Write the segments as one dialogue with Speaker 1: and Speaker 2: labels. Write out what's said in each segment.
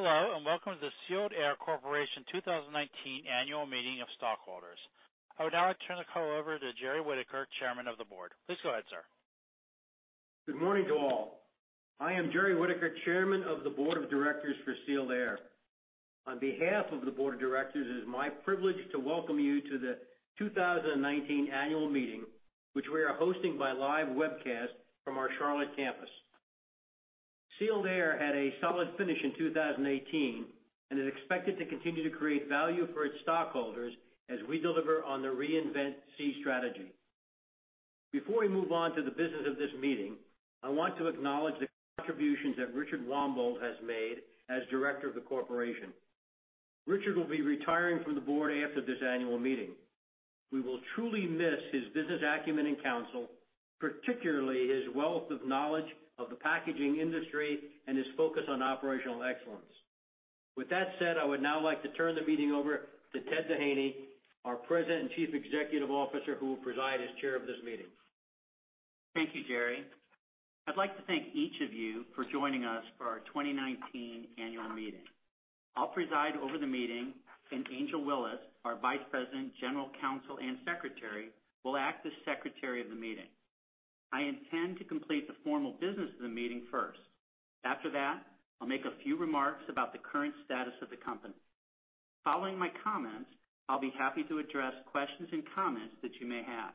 Speaker 1: Hello, welcome to the Sealed Air Corporation 2019 Annual Meeting of Stockholders. I would now like to turn the call over to Jerry Whitaker, Chairman of the Board. Please go ahead, sir.
Speaker 2: Good morning to all. I am Jerry Whitaker, Chairman of the Board of Directors for Sealed Air. On behalf of the board of directors, it is my privilege to welcome you to the 2019 annual meeting, which we are hosting by live webcast from our Charlotte campus. Sealed Air had a solid finish in 2018, is expected to continue to create value for its stockholders as we deliver on the Reinvent SEE strategy. Before we move on to the business of this meeting, I want to acknowledge the contributions that Richard Wambold has made as director of the corporation. Richard will be retiring from the board after this annual meeting. We will truly miss his business acumen and counsel, particularly his wealth of knowledge of the packaging industry and his focus on operational excellence. With that said, I would now like to turn the meeting over to Ted Doheny, our President and Chief Executive Officer, who will preside as chair of this meeting.
Speaker 3: Thank you, Jerry. I'd like to thank each of you for joining us for our 2019 annual meeting. I'll preside over the meeting, Angel Willis, our Vice President, General Counsel, and Secretary, will act as Secretary of the meeting. I intend to complete the formal business of the meeting first. After that, I'll make a few remarks about the current status of the company. Following my comments, I'll be happy to address questions and comments that you may have.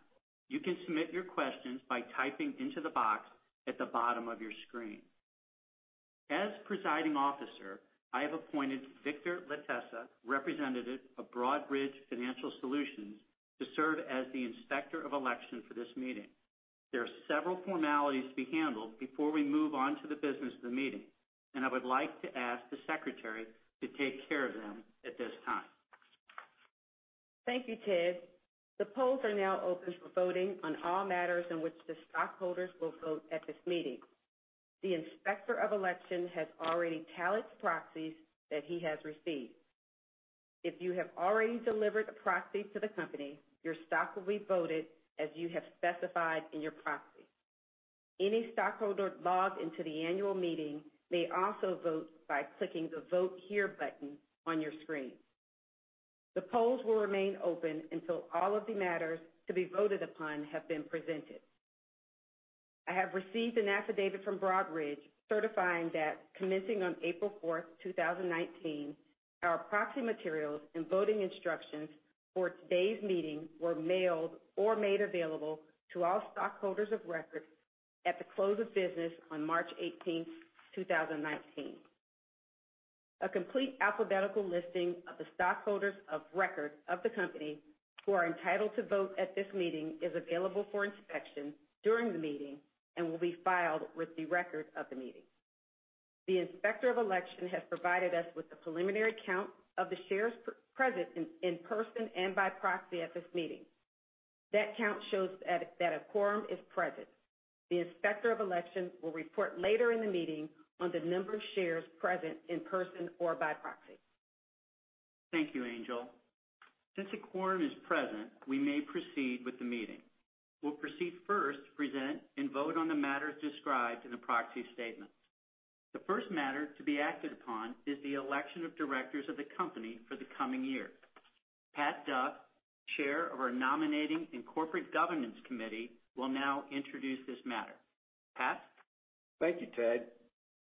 Speaker 3: You can submit your questions by typing into the box at the bottom of your screen. As presiding officer, I have appointed Victor Latessa, representative of Broadridge Financial Solutions, to serve as the Inspector of Election for this meeting. There are several formalities to be handled before we move on to the business of the meeting. I would like to ask the Secretary to take care of them at this time.
Speaker 4: Thank you, Ted. The polls are now open for voting on all matters in which the stockholders will vote at this meeting. The Inspector of Election has already tallied the proxies that he has received. If you have already delivered a proxy to the company, your stock will be voted as you have specified in your proxy. Any stockholder logged into the annual meeting may also vote by clicking the Vote Here button on your screen. The polls will remain open until all of the matters to be voted upon have been presented. I have received an affidavit from Broadridge certifying that commencing on April 4th, 2019, our proxy materials and voting instructions for today's meeting were mailed or made available to all stockholders of record at the close of business on March 18th, 2019. A complete alphabetical listing of the stockholders of record of the company who are entitled to vote at this meeting is available for inspection during the meeting and will be filed with the record of the meeting. The Inspector of Election has provided us with a preliminary count of the shares present in person and by proxy at this meeting. That count shows that a quorum is present. The Inspector of Election will report later in the meeting on the number of shares present in person or by proxy.
Speaker 3: Thank you, Angel. Since a quorum is present, we may proceed with the meeting. We'll proceed first to present and vote on the matters described in the proxy statement. The first matter to be acted upon is the election of directors of the company for the coming year. Patrick Duff, Chair of our Nominating and Corporate Governance Committee, will now introduce this matter. Pat?
Speaker 5: Thank you, Ted.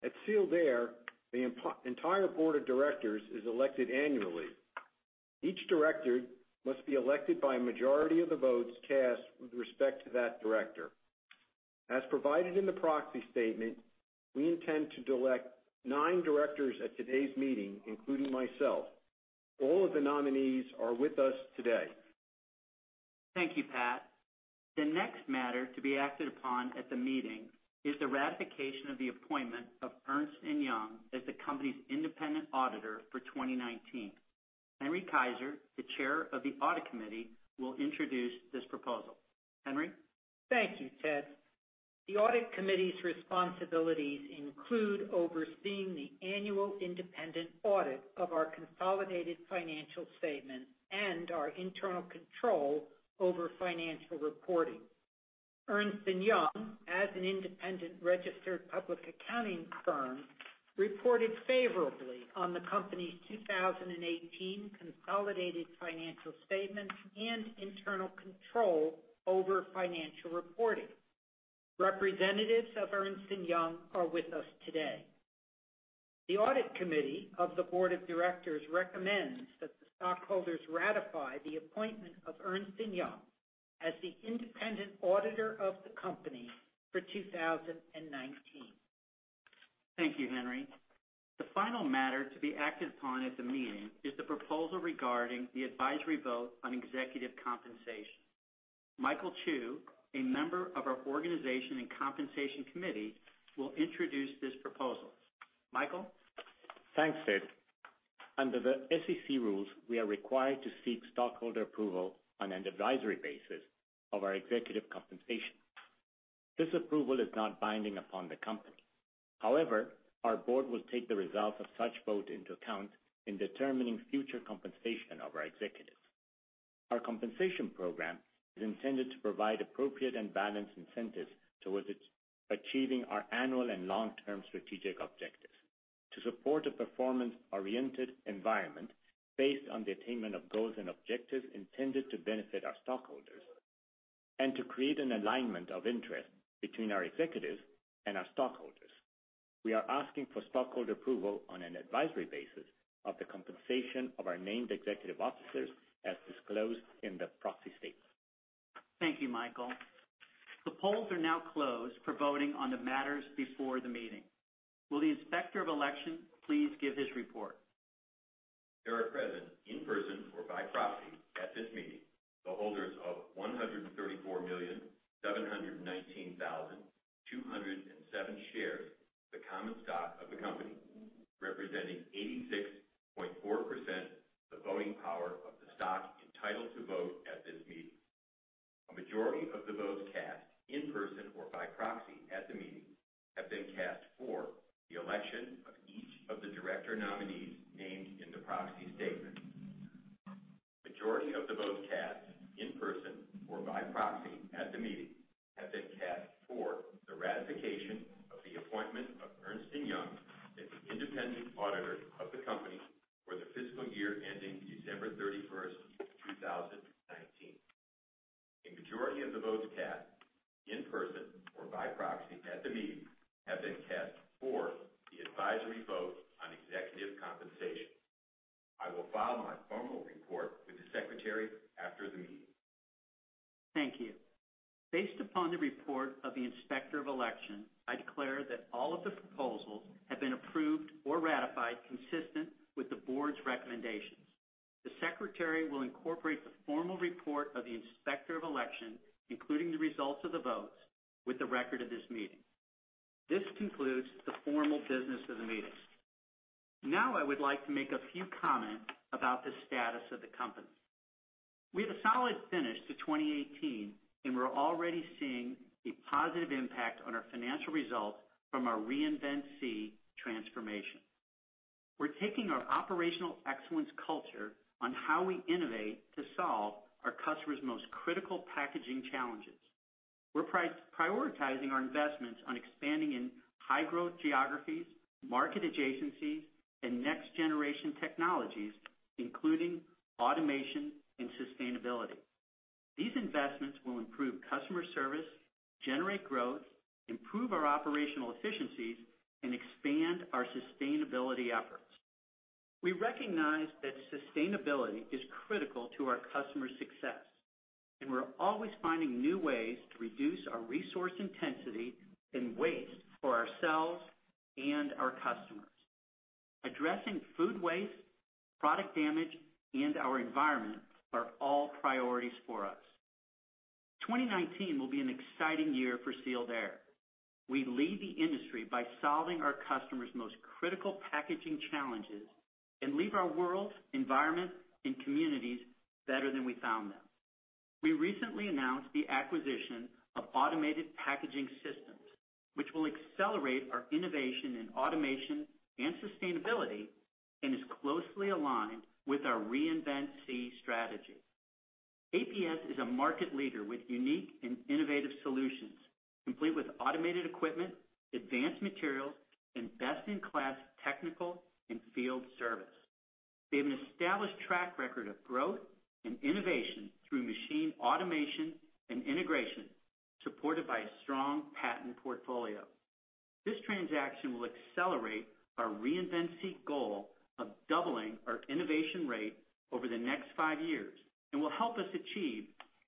Speaker 5: At Sealed Air, the entire board of directors is elected annually. Each director must be elected by a majority of the votes cast with respect to that director. As provided in the proxy statement, we intend to elect nine directors at today's meeting, including myself. All of the nominees are with us today.
Speaker 3: Thank you, Pat. The next matter to be acted upon at the meeting is the ratification of the appointment of Ernst & Young as the company's independent auditor for 2019. Henry Keizer, the Chair of the Audit Committee, will introduce this proposal. Henry?
Speaker 6: Thank you, Ted. The Audit Committee's responsibilities include overseeing the annual independent audit of our consolidated financial statement and our internal control over financial reporting. Ernst & Young, as an independent registered public accounting firm, reported favorably on the company's 2018 consolidated financial statement and internal control over financial reporting. Representatives of Ernst & Young are with us today. The Audit Committee of the board of directors recommends that the stockholders ratify the appointment of Ernst & Young as the independent auditor of the company for 2019.
Speaker 3: Thank you, Henry. The final matter to be acted upon at the meeting is the proposal regarding the advisory vote on executive compensation. Michael Chu, a member of our Organization and Compensation Committee, will introduce this proposal. Michael?
Speaker 7: Thanks, Ted. Under the SEC rules, we are required to seek stockholder approval on an advisory basis of our executive compensation. This approval is not binding upon the company. However, our board will take the results of such vote into account in determining future compensation of our executives. Our compensation program is intended to provide appropriate and balanced incentives towards achieving our annual and long-term strategic objectives. To support a performance-oriented environment based on the attainment of goals and objectives intended to benefit our stockholders, and to create an alignment of interest between our executives and our stockholders. We are asking for stockholder approval on an advisory basis of the compensation of our named executive officers as disclosed in the proxy statement.
Speaker 3: Thank you, Michael. The polls are now closed for voting on the matters before the meeting. Will the Inspector of Election please give his report?
Speaker 8: There are present, in person or by proxy, at this meeting, the holders of 134,719,207 shares of the common stock of the company, representing
Speaker 3: positive impact on our financial results from our Reinvent SEE transformation. We're taking our operational excellence culture on how we innovate to solve our customers' most critical packaging challenges. We're prioritizing our investments on expanding in high-growth geographies, market adjacencies, and next-generation technologies, including automation and sustainability. These investments will improve customer service, generate growth, improve our operational efficiencies, and expand our sustainability efforts. We recognize that sustainability is critical to our customers' success, and we're always finding new ways to reduce our resource intensity and waste for ourselves and our customers. Addressing food waste, product damage, and our environment are all priorities for us. 2019 will be an exciting year for Sealed Air. We lead the industry by solving our customers' most critical packaging challenges and leave our world, environment, and communities better than we found them. We recently announced the acquisition of Automated Packaging Systems, which will accelerate our innovation in automation and sustainability and is closely aligned with our Reinvent SEE strategy. APS is a market leader with unique and innovative solutions, complete with automated equipment, advanced materials, and best-in-class technical and field service. They have an established track record of growth and innovation through machine automation and integration, supported by a strong patent portfolio. This transaction will accelerate our Reinvent SEE goal of doubling our innovation rate over the next five years and will help us achieve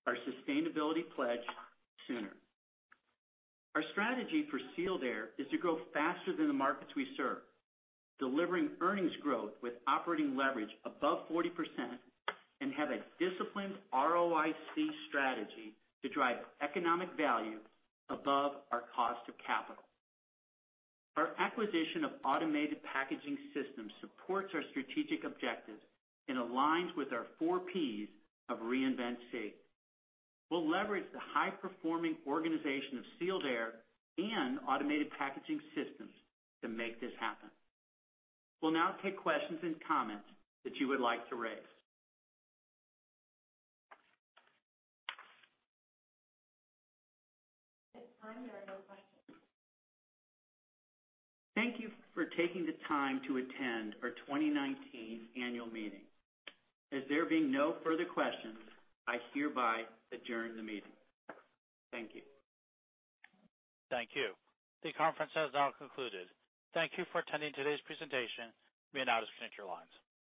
Speaker 3: our sustainability pledge sooner. Our strategy for Sealed Air is to grow faster than the markets we serve, delivering earnings growth with operating leverage above 40%, and have a disciplined ROIC strategy to drive economic value above our cost of capital. Our acquisition of Automated Packaging Systems supports our strategic objectives and aligns with our four Ps of Reinvent SEE. We'll leverage the high-performing organization of Sealed Air and Automated Packaging Systems to make this happen. We'll now take questions and comments that you would like to raise.
Speaker 4: At this time, there are no questions.
Speaker 3: Thank you for taking the time to attend our 2019 annual meeting. As there being no further questions, I hereby adjourn the meeting. Thank you.
Speaker 1: Thank you. The conference has now concluded. Thank you for attending today's presentation. You may now disconnect your lines.